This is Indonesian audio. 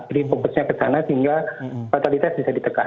fokusnya ke sana sehingga fatalitas bisa ditekan